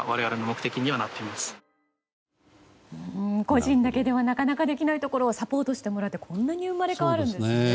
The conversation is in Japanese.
個人だけではなかなかできないところをサポートしてもらうとこんなに生まれ変わるんですね。